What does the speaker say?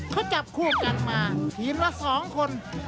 เขาจับคู่กันมาหินละสองคน